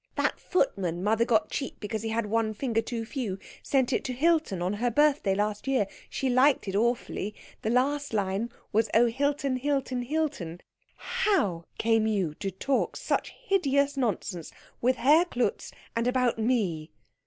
That footman mother got cheap because he had one finger too few sent it to Hilton on her birthday last year she liked it awfully. The last line was 'Oh Hilton, Hilton, Hilton '" "How came you to talk such hideous nonsense with Herr Klutz, and about me?"